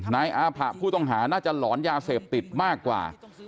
นายอาผะผู้ต้องหาน่าจะหลอนยาเสพติดมากกว่า